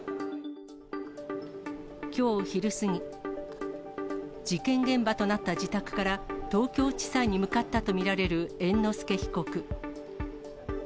きょう昼過ぎ、事件現場となった自宅から、東京地裁に向かったと見られる猿之助被告。